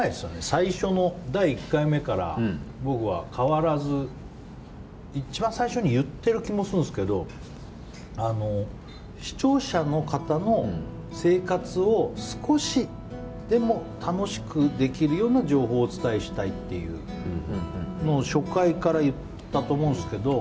最初の第１回目から僕は変わらず一番最初に言ってる気もするんですけど視聴者の方の生活を少しでも楽しくできるような情報をお伝えしたいっていう初回から言ったと思うんですけど。